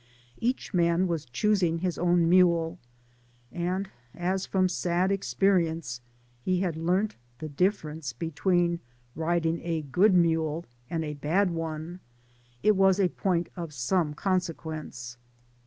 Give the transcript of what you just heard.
Each man was choosing his own mule ; and as, from sad experience, he had learnt the difference between riding a good mule and a bad one, it was a point of some consequence.